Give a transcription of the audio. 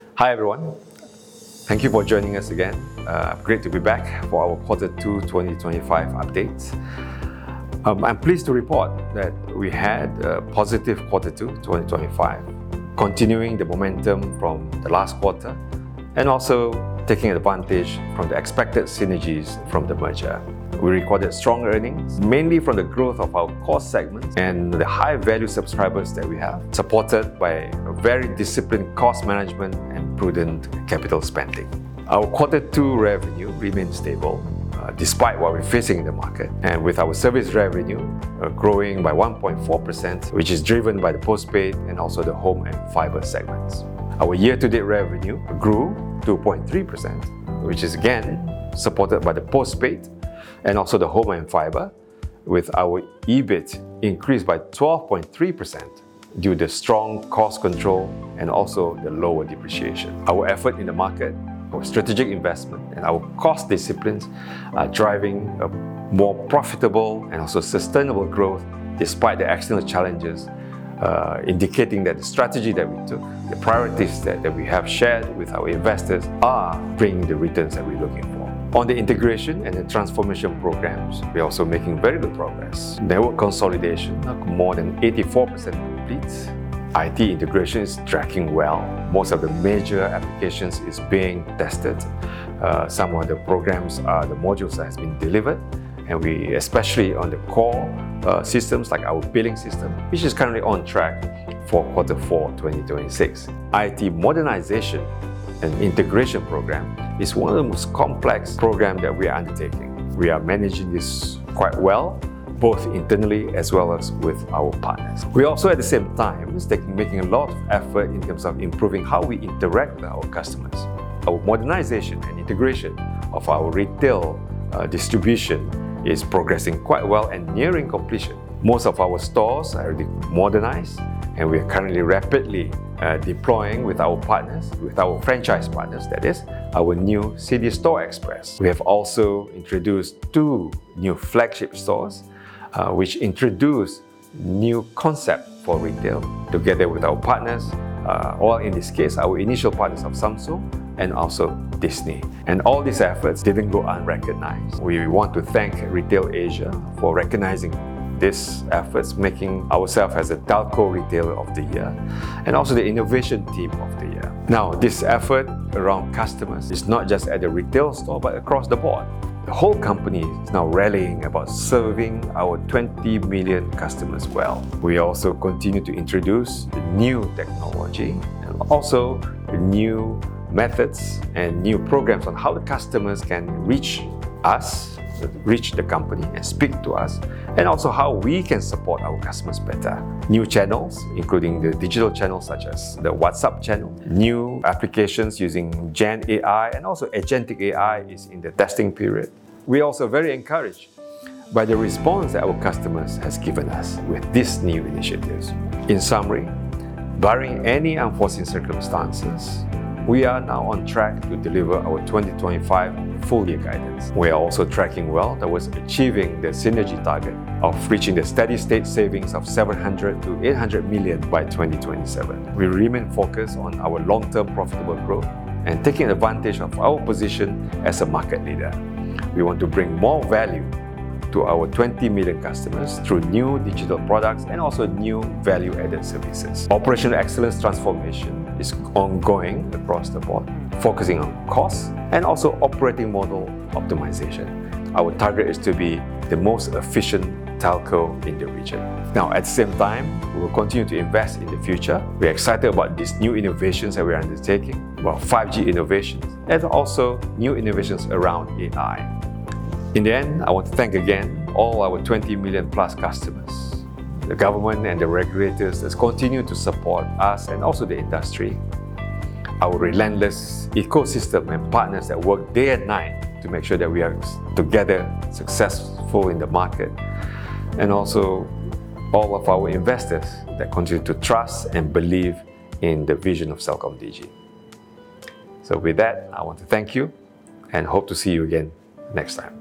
Hi, everyone. Thank you for joining us again. Great to be back for our quarter two 2025 update. I'm pleased to report that we had a positive quarter two 2025, continuing the momentum from the last quarter, and also taking advantage from the expected synergies from the merger. We recorded strong earnings, mainly from the growth of our core segments and the high-value subscribers that we have, supported by very disciplined cost management and prudent capital spending. Our quarter two revenue remains stable despite what we're facing in the market, and with our service revenue growing by 1.4%, which is driven by the postpaid and also the home and fiber segments. Our year-to-date revenue grew 2.3%, which is again supported by the postpaid and also the home and fiber, with our EBIT increased by 12.3% due to strong cost control and also the lower depreciation. Our effort in the market for strategic investment and our cost disciplines are driving a more profitable and also sustainable growth despite the external challenges, indicating that the strategy that we took, the priorities that we have shared with our investors are bringing the returns that we're looking for. On the integration and the transformation programs, we are also making very good progress. Network consolidation more than 84% complete. IT integration is tracking well. Most of the major applications is being tested. Some of the programs, the modules has been delivered, and we especially on the core systems like our billing system, which is currently on track for quarter four 2026. IT modernization and integration program is one of the most complex program that we are undertaking. We are managing this quite well, both internally as well as with our partners. We also, at the same time, making a lot of effort in terms of improving how we interact with our customers. Our modernization and integration of our retail distribution is progressing quite well and nearing completion. Most of our stores are already modernized, and we are currently rapidly deploying with our partners, with our franchise partners, that is, our new CD Store Express. We have also introduced two new flagship stores, which introduce new concept for retail together with our partners, or in this case, our initial partners of Samsung and also Disney. All these efforts didn't go unrecognized. We want to thank Retail Asia for recognizing these efforts, making ourself as the telco Retailer of the Year and also the Innovation Team of the Year. Now, this effort around customers is not just at the retail store, but across the board. The whole company is now rallying about serving our 20 million customers well. We also continue to introduce the new technology and also the new methods and new programs on how the customers can reach us, reach the company, and speak to us, and also how we can support our customers better. New channels, including the digital channels such as the WhatsApp channel, new applications using GenAI, and also agentic AI is in the testing period. We are also very encouraged by the response our customers has given us with these new initiatives. In summary, barring any unforeseen circumstances, we are now on track to deliver our 2025 full year guidance. We are also tracking well towards achieving the synergy target of reaching the steady state savings of 700 million-800 million by 2027. We remain focused on our long-term profitable growth and taking advantage of our position as a market leader. We want to bring more value to our 20 million customers through new digital products and also new value-added services. Operational excellence transformation is ongoing across the board, focusing on cost and also operating model optimization. Our target is to be the most efficient Telco in the region. At the same time, we will continue to invest in the future. We are excited about these new innovations that we are undertaking, about 5G innovations, and also new innovations around AI. I want to thank again all our 20 million-plus customers, the government and the regulators that continue to support us and also the industry, our relentless ecosystem and partners that work day and night to make sure that we are together successful in the market, and also all of our investors that continue to trust and believe in the vision of CelcomDigi. With that, I want to thank you and hope to see you again next time.